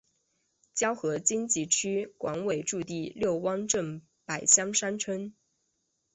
胶河经济区管委驻地六汪镇柏乡三村。